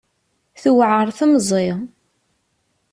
Tewɛer temẓi.